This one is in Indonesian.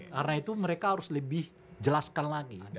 karena itu mereka harus lebih jelaskan lagi